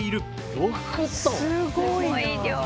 すごい量。